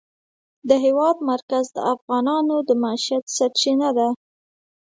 د هېواد مرکز د افغانانو د معیشت سرچینه ده.